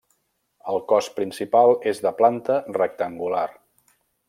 El cos principal és de planta rectangular.